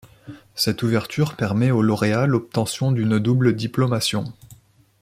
Cette ouverture permet aux lauréats l'obtention d'une double diplomation.